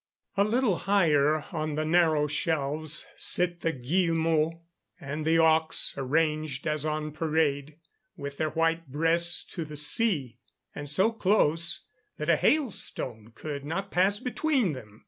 A little higher on the narrow shelves sit the guillemots and auks, arranged as on parade, with their white breasts to the sea, and so close that a hailstone could not pass between them.